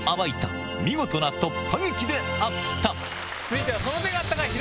続いては。